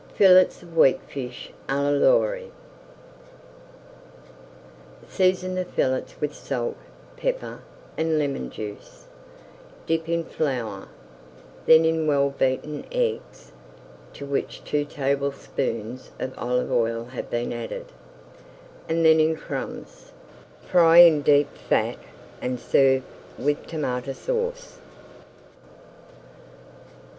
FILLETS OF WEAKFISH À L'ORLY Season the fillets with salt, pepper, and lemon juice, dip in flour, then in well beaten eggs to which two tablespoonfuls of olive oil have been added, and then in crumbs. Fry in deep fat and serve with Tomato Sauce.